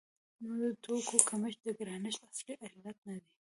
نو د توکو کمښت د ګرانښت اصلي علت نه دی.